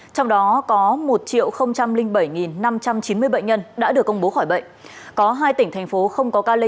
trong đó có một bảy năm trăm chín mươi bệnh nhân đã được công bố khỏi bệnh có hai tỉnh thành phố không có ca lây nhiễm